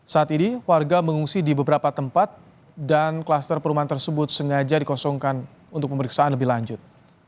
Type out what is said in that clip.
saat ini warga mengungsi di beberapa tempat dan kluster perumahan tersebut sengaja dikosongkan untuk pemeriksaan lebih lanjut